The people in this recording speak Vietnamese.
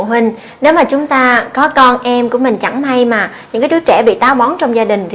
huynh nếu mà chúng ta có con em của mình chẳng may mà những cái chú trẻ bị táo bóng trong gia